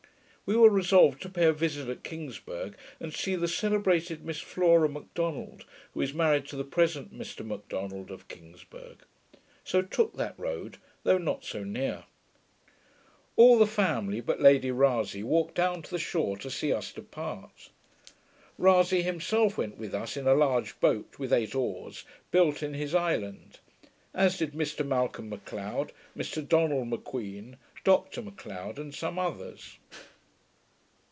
We were resolved to pay a visit at Kingsburgh, and see the celebrated Miss Flora Macdonald, who is married to the present Mr Macdonald of Kingsburgh; so took that road, though not so near. All the family, but Lady Rasay, walked down to the shore to see us depart. Rasay himself went with us in a large boat, with eight oars, built in his island; as did Mr Malcolm M'Cleod, Mr Donald M'Queen, Dr Macleod, and some others.